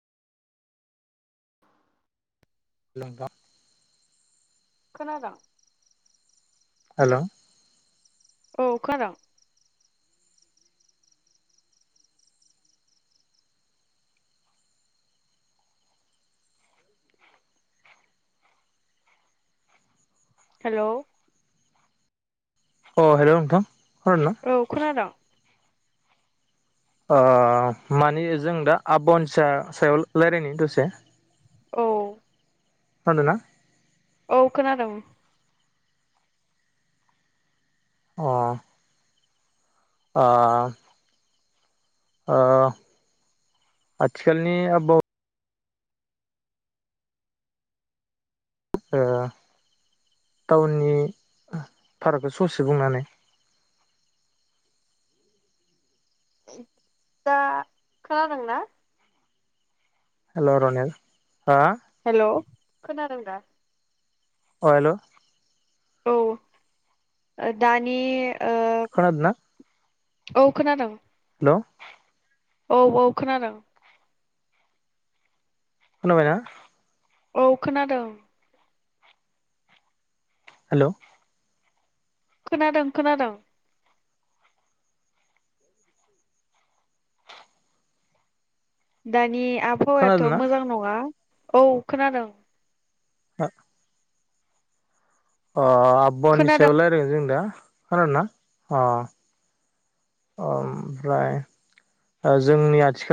[unintelligible] खोनादोंं हेलौ औ खोनादों हेलौ अ हेलौ नोंथां खोनादोंना? औ खोनादों अ माने जों दा आबानसा सायाव रायलायनि दसे औ खोनादों ना औ खोनादों अ आ ओ आथिखालनि आबाव ओ टाउननि भाराखौ ससे बुंनानै दा खोनादोंना हेल' रनेेल हेल' खोनादों दा अ हेल' औ दानि ओ खोनादों ना औ खोनादों हेल' औ औ खोनादों खोनाबाय ना औ खोनादों हेल' खोनादों खोनादों दानि आबहावायाथ' खोनादोंना? मोजां नङा औ खोनादों हा अ आबहावानि खोनादों। सायाव रायलायगोन जों दा। खोनादोना अ ओमफ्राय जोंनि आथिखालनि